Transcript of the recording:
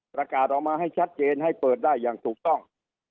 ประกาศออกมาให้ชัดเจนให้เปิดได้อย่างถูกต้อง